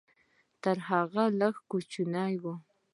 تر هغه لږ کوچنی و.